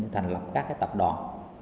thành lập các cái tập đoàn